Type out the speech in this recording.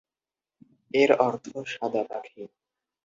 এর অর্থ সাদা পাখি।